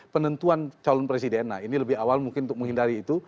penentuan calon presiden nah ini lebih awal mungkin untuk menghindari itu